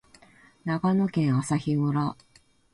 長野県朝日村